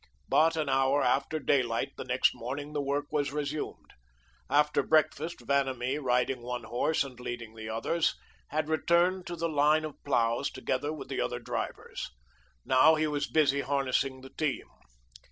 But an hour after daylight the next morning the work was resumed. After breakfast, Vanamee, riding one horse and leading the others, had returned to the line of ploughs together with the other drivers. Now he was busy harnessing the team.